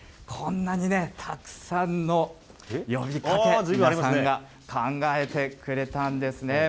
こんなにね、たくさんの呼びかけ、皆さんが考えてくれたんですね。